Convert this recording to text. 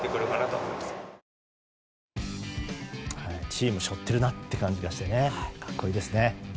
チーム背負ってるなって感じがして格好いいですね。